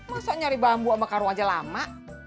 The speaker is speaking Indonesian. masa nyari bambu sama karung aja lama